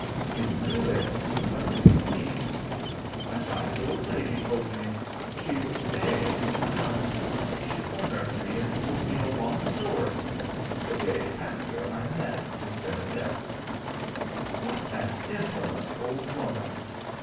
"You knew it! What do you mean?" "A nice old lady told me. She was staying in the house. She cornered me and told me a long story the day after I met Miss Benedet." "What an infamous old woman!"